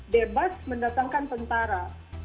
bebas mendatangkan tentara